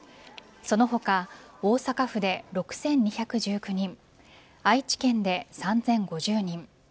その他、大阪府で６２１９人愛知県で３０５０人